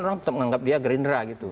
orang tetap menganggap dia gerindra gitu